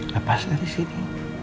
lepas dari sini